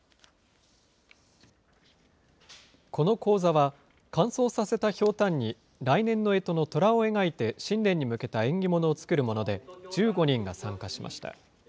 この講座は、乾燥させたひょうたんに、来年のえとのとらを描いて、新年に向けた縁起物を作るもので、１５人が参加しました。